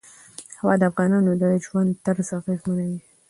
هوا د افغانانو د ژوند طرز اغېزمنوي.